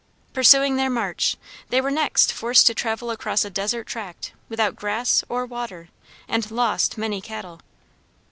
Pursuing their march, they were next forced to travel across a desert tract without grass or water, and lost many cattle.